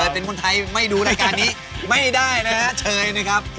เป็นคนไทยไม่ดูรายการนี้ไม่ได้นะฮะเชยนะครับ